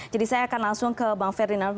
jadi saya akan langsung ke bang ferdinand